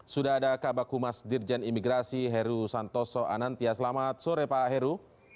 sudah ada kabar kumas dirjen imigrasi heru santoso anantia selamat sore pak heru